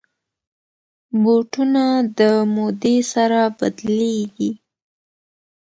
بوټونه د مودې سره بدلېږي.